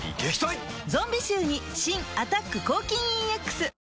ゾンビ臭に新「アタック抗菌ＥＸ」